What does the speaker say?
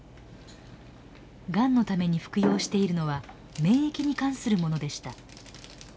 がんのために服用しているのは免疫に関するものでした。